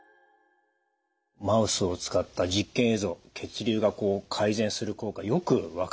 マウスを使った実験映像血流がこう改善する効果よく分かりました。